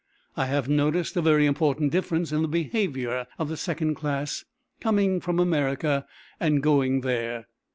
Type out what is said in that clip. I have noticed a very important difference in the behaviour of the second class coming from America and going there.